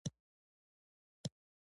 د سنسر ټکنالوژي هر ځای کارېږي.